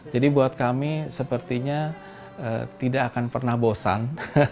jadi buat kami sepertinya tidak akan pernah bosan